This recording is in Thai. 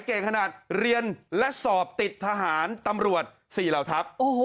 เก่งขนาดเรียนและสอบติดทหารตำรวจ๔เหล่าทัพ